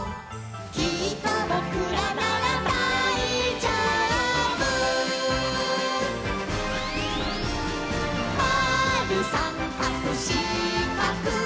「きっとぼくらならだいじょうぶ」「まるさんかくしかく」